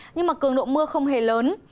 nhưng mà cường độ mưa không hề lớn